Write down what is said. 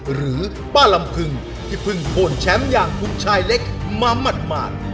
หรือป้าลำพึงที่เพิ่งพ้นแชมป์อย่างคุณชายเล็กมาหมาด